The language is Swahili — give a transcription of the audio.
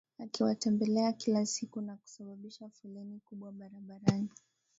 akiwatembelea kila siku na kusababisha foleni kubwa barabarani